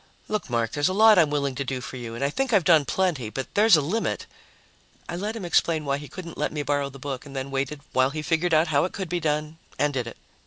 "Look, Mark, there's a lot I'm willing to do for you, and I think I've done plenty, but there's a limit " I let him explain why he couldn't let me borrow the book and then waited while he figured out how it could be done and did it.